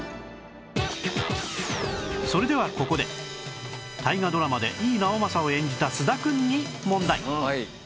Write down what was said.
それではここで大河ドラマで井伊直政を演じた菅田くんに問題